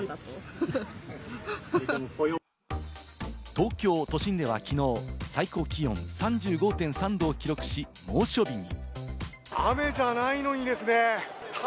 東京都心ではきのう、最高気温３５．３℃を記録し、猛暑日に。